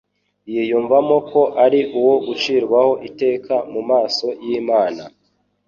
yiyumvamo ko ari uwo gucirwaho iteka mu maso y'Imana.